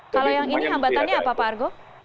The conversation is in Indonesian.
kalau yang ini hambatannya apa pak argo